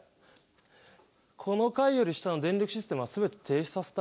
この階より下の電力システムは全て停止させた。